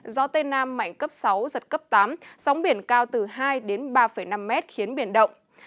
gió tây nam mạnh cấp sáu giật cấp tám sóng biển cao từ hai đến ba năm mét khiến biển động